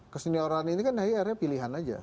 kesenioran ini kan akhirnya pilihan aja